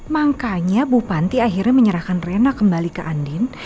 makanya bu panti akhirnya menyerahkan rena kembali ke andin